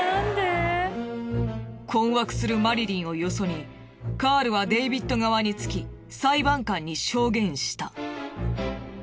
困惑するマリリンをよそにカールはデイビッド側につき裁判官に証言した。